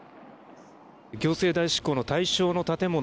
行政代執行の対象の建物。